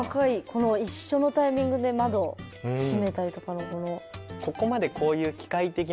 この一緒のタイミングで窓を閉めたりとかのこの。